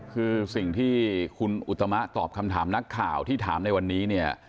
คือสิ่งที่คุณอุตมะตอบคำถามนักข่าวที่ถามในวันนี้เนี่ย